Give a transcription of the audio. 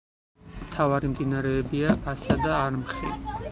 მთავარი მდინარეებია ასა და არმხი.